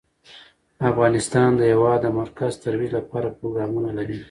افغانستان د هېواد د مرکز ترویج لپاره پروګرامونه لري.